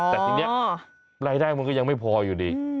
แต่ทีนี้รายได้มันก็ยังไม่พออยู่ดี